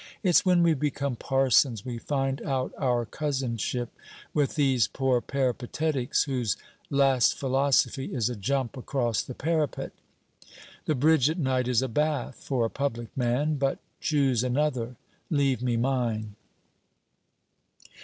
It's when we become parsons we find out our cousinship with these poor peripatetics, whose "last philosophy" is a jump across the parapet. The bridge at night is a bath for a public man. But choose another; leave me mine.'